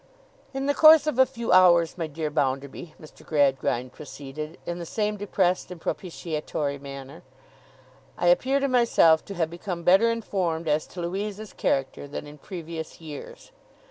'In the course of a few hours, my dear Bounderby,' Mr. Gradgrind proceeded, in the same depressed and propitiatory manner, 'I appear to myself to have become better informed as to Louisa's character, than in previous years.